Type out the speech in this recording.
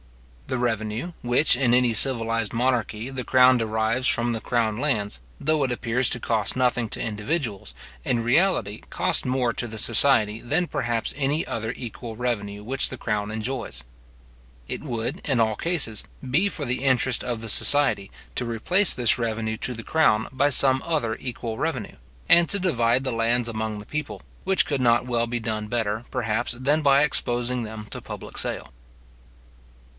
The revenue which, in any civilized monarchy, the crown derives from the crown lands, though it appears to cost nothing to individuals, in reality costs more to the society than perhaps any other equal revenue which the crown enjoys. It would, in all cases, be for the interest of the society, to replace this revenue to the crown by some other equal revenue, and to divide the lands among the people, which could not well be done better, perhaps, than by exposing them to public sale.